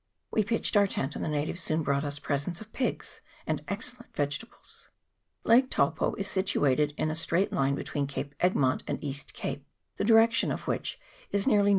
We pitched our tent, and the natives soon brought us presents of pigs and excellent vegetables. Lake Taupo is situated in a straight line be tween Cape Egmont and East Cape, the direction of which is nearly N.E.